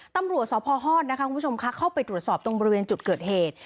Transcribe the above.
ตำรวจสพฮอตนะคะคุณผู้ชมค่ะเข้าไปตรวจสอบตรงบริเวณจุดเกิดเหตุ